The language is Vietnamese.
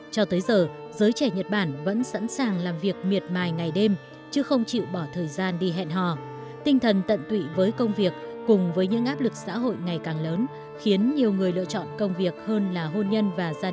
cho tới giờ giới trẻ nhật bản vẫn sẵn sàng làm việc miệt mài ngày đêm chứ không chịu bỏ thời gian đi hẹn hò tinh thần tận tụy với công việc cùng với những áp lực xã hội ngày càng lớn khiến nhiều người lựa chọn công việc hơn là hôn nhân và gia đình